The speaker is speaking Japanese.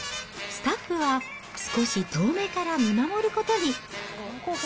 スタッフは少し遠めから見守ることに。